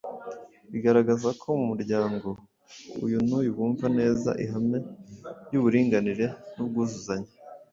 bigaragaza ko mu muryango uyu n’uyu bumva neza ihame ry’uburinganire n’ubwuzuzanye.